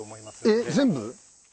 えっ全部？